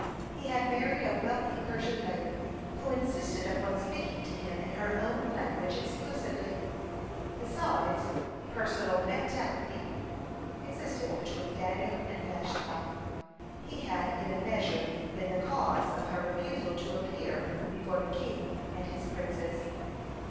He had married a wealthy Persian lady, who insisted upon speaking to him in her own language exclusively. (43) Besides, personal antipathy existed between Daniel and Vashti. He had in a measure been the cause of her refusal to appear before the king and his princes.